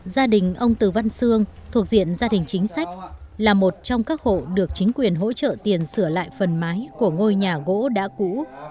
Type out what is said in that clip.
gia đình ông từ văn sương thuộc diện gia đình chính sách là một trong các hộ được chính quyền hỗ trợ tiền sửa lại phần mái của ngôi nhà gỗ đã cũ